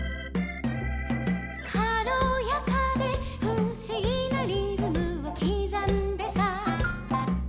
「かろやかでふしぎなリズムをきざんでさ」